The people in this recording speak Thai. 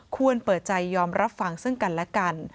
ควรเปิดใจยอมรับฟังซึ่งกันและกัน